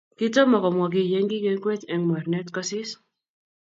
Kitomo komwakiy yekingengwech eng mornet kosis